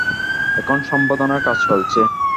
এখন সম্পাদনার কাজ চলছে।